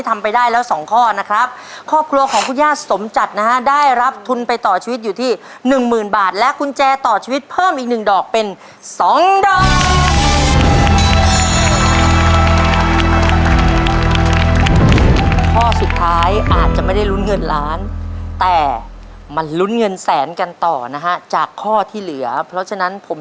๕โมงเย็นแล้วเก็บไข่ได้เยอะไหม